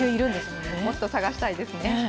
もっと探したいですね。